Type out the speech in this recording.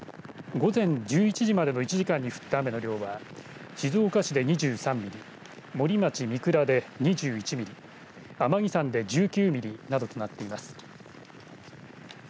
午前１１時までの１時間に降った雨の量は静岡市で２３ミリ森町三倉で２１ミリ天城山で１９ミリなどとなっています。